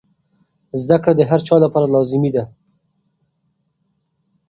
زده کړه د هر چا لپاره لازمي ده.